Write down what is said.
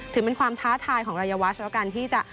ถือเป็นความท้าทายของรายวัชแล้วกันที่จะ